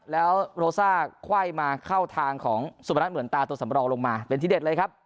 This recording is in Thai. แล้วโรซ่าไขว้มาเข้าทางของสุพนัทเหมือนตาตัวสำรองลงมาเป็นที่เด็ดเลยครับ